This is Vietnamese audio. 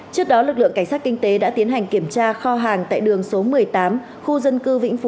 trước đó lực lượng cảnh sát kinh tế đã tiến hành kiểm tra kho hàng tại đường số một mươi tám khu dân cư vĩnh phú